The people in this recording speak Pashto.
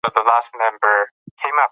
ښځې د کبابي دوکان ته په حسرت سره وکتل.